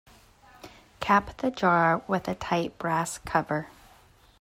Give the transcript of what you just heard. Cap the jar with a tight brass cover.